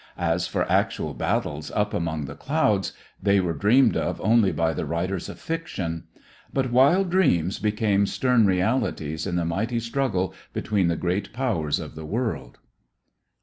As for actual battles up among the clouds, they were dreamed of only by the writers of fiction. But wild dreams became stern realities in the mighty struggle between the great powers of the world.